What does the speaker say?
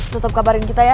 tetep kabarin kita ya